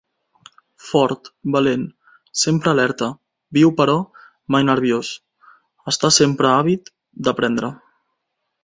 Fort, valent, sempre alerta, viu però mai nerviós, està sempre àvid d'aprendre.